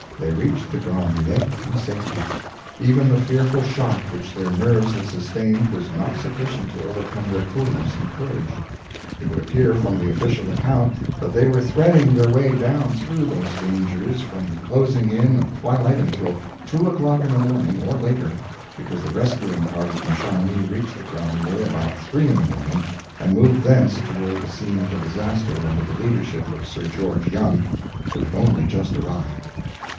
They reached the Grands Mulets in safety. Even the fearful shock which their nerves had sustained was not sufficient to overcome their coolness and courage. It would appear from the official account that they were threading their way down through those dangers from the closing in of twilight until two o'clock in the morning, or later, because the rescuing party from Chamonix reached the Grand Mulets about three in the morning and moved thence toward the scene of the disaster under the leadership of Sir George Young, "who had only just arrived."